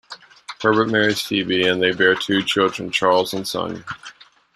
Herbert marries Phoebe and they bear two children, Charles and Sonia.